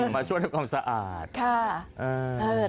มาช่วยกองสะอาด